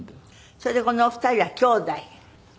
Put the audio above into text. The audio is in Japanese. それでこのお二人は姉妹？